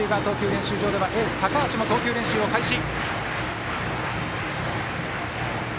練習場ではエース、高橋も投球練習を開始。